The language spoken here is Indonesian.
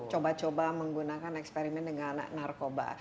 coba coba menggunakan eksperimen dengan narkoba